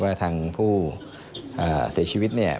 ว่าทางผู้เสียชีวิตเนี่ย